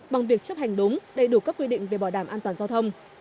bằng việc chấp hành đúng đầy đủ các quy định về bảo đảm an toàn giao thông